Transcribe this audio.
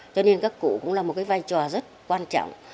cho nên các cụ cũng là một cái vai trò rất quan trọng